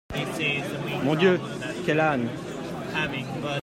Mon Dieu ! quel âne !…